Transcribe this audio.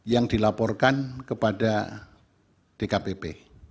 yang dilaporkan kepada dkpp